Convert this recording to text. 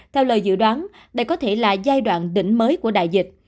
theo lời dự đoán đây có thể là giai đoạn đỉnh mới của đại dịch